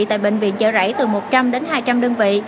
tại bệnh viện chợ rẫy từ một trăm linh đến hai trăm linh đơn vị